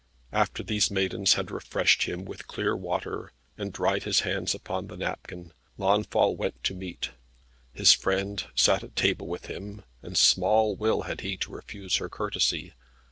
After these maidens had refreshed him with clear water, and dried his hands upon the napkin, Launfal went to meat. His friend sat at table with him, and small will had he to refuse her courtesy.